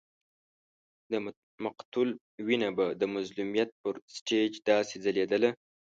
د مقتول وینه به د مظلومیت پر سټېج داسې ځلېدله.